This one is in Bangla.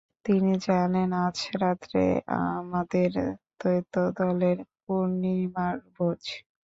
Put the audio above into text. তিনি জানেন, আজ রাত্রে আমাদের দ্বৈতদলের পূর্ণিমার ভোজ।